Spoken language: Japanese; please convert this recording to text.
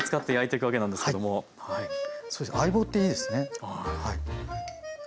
相棒っていいですね。